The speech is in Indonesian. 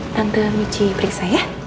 tante nyuci periksa ya